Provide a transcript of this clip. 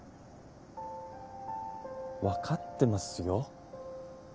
わかってますよ。